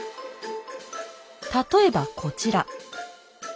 例えばこちら。